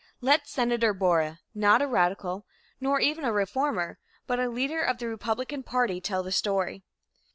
Let Senator Borah, not a radical nor even a reformer, but a leader of the Republican party, tell the story.